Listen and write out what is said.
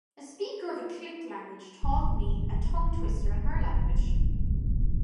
A speaker of a click language taught me a tongue twister in her language.